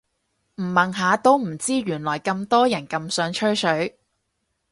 唔問下都唔知原來咁多人咁想吹水